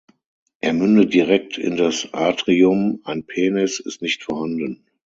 Er mündet direkt in das Atrium, ein Penis ist nicht vorhanden.